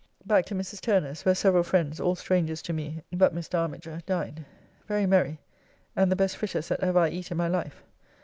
Back to Mrs. Turner's, where several friends, all strangers to me but Mr. Armiger, dined. Very merry and the best fritters that ever I eat in my life.